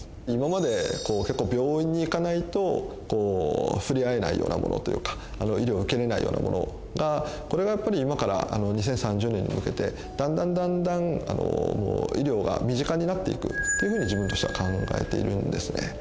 今まで病院に行かないと触れ合えないものというか医療を受けれないようなものがこれがやっぱり今から２０３０年に向けてだんだんだんだん医療が身近になっていくっていうふうに自分としては考えているんですね。